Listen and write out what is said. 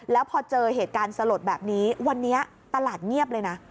แล้วพอเจอเหตุการณ์สลดแบบนี้วันนี้ตลาดเงียบเลยนะ